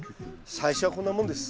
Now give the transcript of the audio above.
最初はこんなもんです。